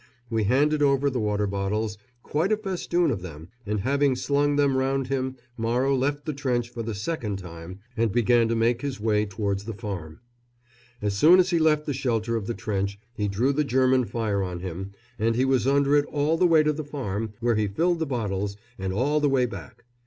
We handed over the water bottles, quite a festoon of them, and having slung them round him Morrow left the trench for the second time and began to make his way towards the farm. As soon as he left the shelter of the trench he drew the German fire on him, and he was under it all the way to the farm, where he filled the bottles, and all the way back.